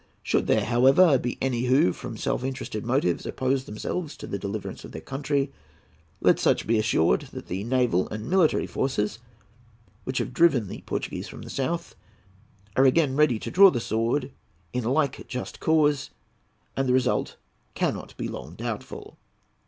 Should there, however, be any who, from self interested motives, oppose themselves to the deliverance of their country, let such be assured that the naval and military forces which have driven the Portuguese from the south are again ready to draw the sword in the like just cause, and the result cannot be long doubtful."